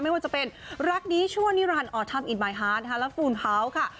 ไม่ว่าจะเป็นรักดีชั่วนิรันดิอธรรมอินบายฮาร์ดและฟูนเฮาส์ค่ะ